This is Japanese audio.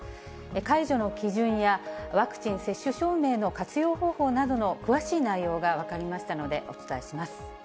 解除の基準や、ワクチン接種証明の活用方法などの詳しい内容が分かりましたのでお伝えします。